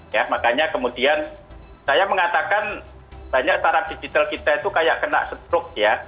ya makanya kemudian saya mengatakan banyak taraf digital kita itu kayak kena stroke ya